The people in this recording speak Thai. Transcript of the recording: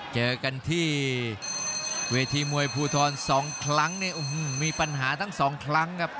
เจอกันที่เวทีมวยภูทร๒ครั้งเนี่ยมีปัญหาทั้งสองครั้งครับ